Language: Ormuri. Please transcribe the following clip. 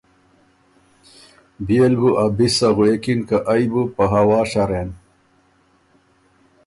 بيې ل بُو ا بی سۀ غوېکِن که ائ بُو په هوا شرېن،